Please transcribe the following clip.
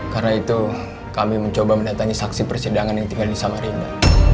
karena itu kami mencoba mendatangi saksi persidangan yang tinggal di samarinda